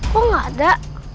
kok gak ada